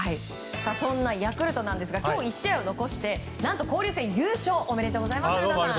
そんなヤクルトですが今日、１試合を残して何と交流戦優勝おめでとうございます古田さん。